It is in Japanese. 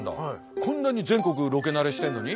こんなに全国ロケ慣れしてんのに？